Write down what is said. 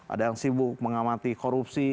ada yang sibuk mengamati korupsi